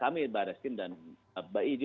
kami mbak ariskin dan mbak iji